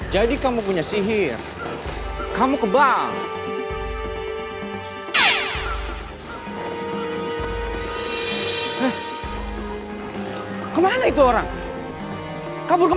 dan lebih baik kita pulang saja dan